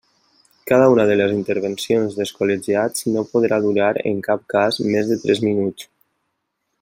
Cada una de les intervencions dels col·legiats no podrà durar, en cap cas, més de tres minuts.